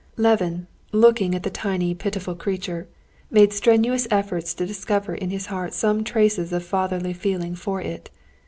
Levin, looking at the tiny, pitiful creature, made strenuous efforts to discover in his heart some traces of fatherly feeling for it.